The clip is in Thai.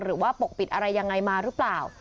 หรือว่าปกปิดอะไรยังไงมาหรือเปล่า